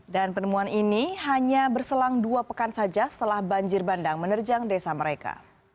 dan penemuan ini hanya berselang dua pekan saja setelah banjir bandang menerjang desa mereka